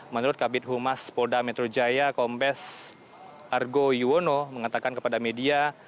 menurut kabit humas polda metro jaya kombes argo yuwono mengatakan kepada media